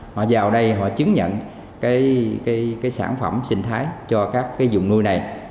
họ vào đây chứng nhận sản phẩm sinh thái cho các vùng nuôi này